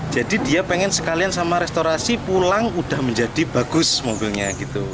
jadi dia pengen sekalian sama restorasi pulang udah menjadi bagus mobilnya